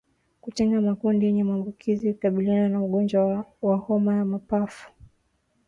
Kutenga makundi yenye maambukizi hukabiliana na ugonjwa wa homa ya mapafu